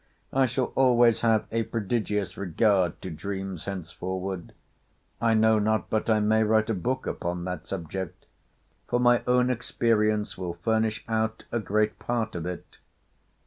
I shall always have a prodigious regard to dreams henceforward. I know not but I may write a book upon that subject; for my own experience will furnish out a great part of it.